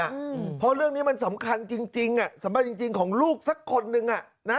เพราะว่าเรื่องนี้มันสำคัญจริงอ่ะสำมัยจริงของลูกสักคนหนึ่ง